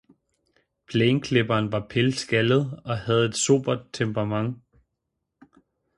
Plæneklipperen var pilskaldet og havde et sobert temperament.